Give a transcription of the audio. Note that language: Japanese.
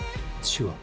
「手話」